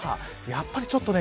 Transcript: やっぱり